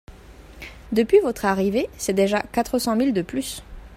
Depuis votre arrivée, c’est déjà quatre-cents-mille de plus.